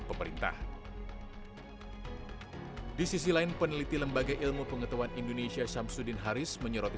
pemerintah di sisi lain peneliti lembaga ilmu pengetahuan indonesia syamsuddin haris menyoroti